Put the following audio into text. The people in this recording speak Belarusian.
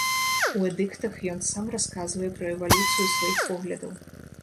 У эдыктах ён сам расказвае пра эвалюцыю сваіх поглядаў.